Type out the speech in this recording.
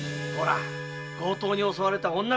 強盗に襲われた女